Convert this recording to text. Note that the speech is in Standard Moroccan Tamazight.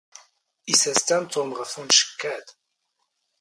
ⵉⵙⴰⵙⵜⴰⵏ ⵜⵓⵎ ⵖⴼ ⵓⵏⵛⴽⴽ ⴰⴷ.